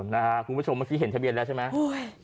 นะครับคุณผู้ชมมันเห็นทะเบียนเลยใช่ไหม